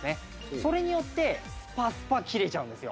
それによってスパスパ切れちゃうんですよ。